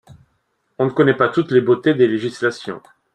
On ne connaît pas toutes les beautés des législations.